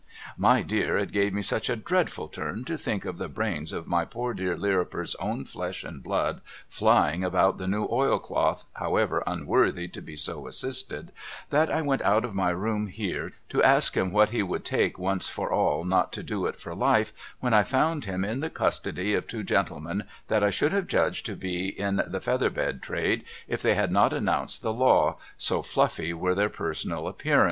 My dear it gave me such a dreadful turn to think of the brains of my poor dear Lirriper's own flesh and blood flying about the new oilcloth however unworthy to be so assisted, that I went out of my room here to ask him what he would take once for all not to do it for life when I found him in the custody of two gentle men that I should have judged to be in the feather bed trade if they had not announced the law, so fluffy were their personal appearance.